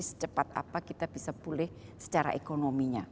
secepat apa kita bisa pulih secara ekonominya